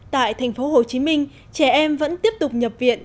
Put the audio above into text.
tại thành phố hồ chí minh trẻ em vẫn tiếp tục nhập viện